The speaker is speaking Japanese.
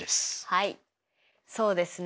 はいそうですね。